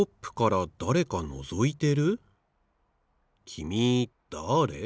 きみだあれ？